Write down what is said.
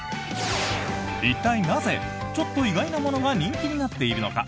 一体なぜ、ちょっと意外なものが人気になっているのか？